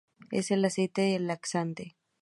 El aceite es laxante.